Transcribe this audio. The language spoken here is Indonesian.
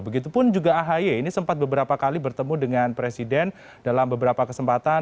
begitupun juga ahy ini sempat beberapa kali bertemu dengan presiden dalam beberapa kesempatan